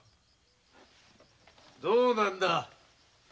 どうなんだ